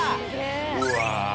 うわ！